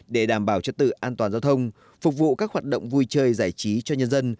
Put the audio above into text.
để đảm bảo trật tự an toàn giao thông phục vụ các hoạt động vui chơi giải trí cho nhân dân